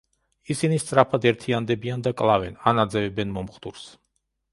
ისინი სწრაფად ერთიანდებიან და კლავენ, ან აძევებენ მომხდურს.